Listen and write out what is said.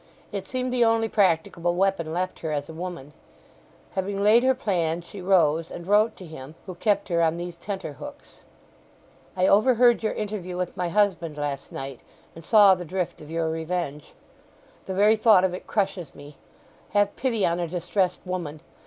It seemed the only practicable weapon left her as a woman. Having laid her plan she rose, and wrote to him who kept her on these tenterhooks:— "I overheard your interview with my husband last night, and saw the drift of your revenge. The very thought of it crushes me! Have pity on a distressed woman!